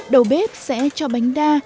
đầu bếp sẽ cho bánh đa